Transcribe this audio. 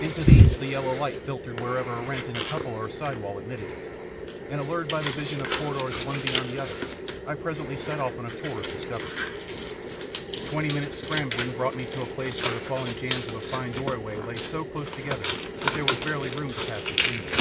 Into these the yellow light filtered wherever a rent in a cupola or side wall admitted it, and allured by the vision of corridors one beyond the other, I presently set off on a tour of discovery. Twenty minutes' scrambling brought me to a place where the fallen jambs of a fine doorway lay so close together that there was barely room to pass between them.